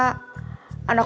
kau bisa berjaya